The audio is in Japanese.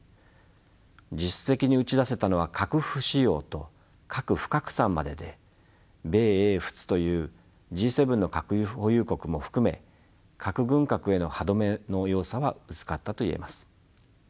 実質的に打ち出せたのは核不使用と核不拡散までで米英仏というＧ７の核保有国も含め核軍拡への歯止めの要素は薄かったと言えます。